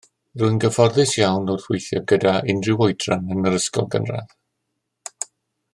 Rwy'n gyfforddus iawn wrth weithio gydag unrhyw oedran yn yr ysgol gynradd.